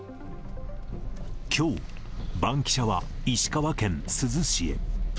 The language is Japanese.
きょう、バンキシャは石川県珠洲市へ。